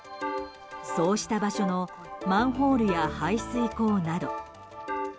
そうした場所のマンホールや排水溝など。